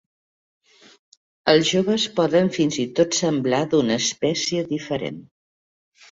Els joves poden fins i tot semblar d'una espècie diferent.